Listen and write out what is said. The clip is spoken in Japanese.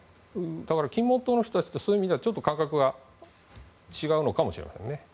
だから金門島の人たちってそういう意味ではちょっと感覚が違うのかもしれませんね。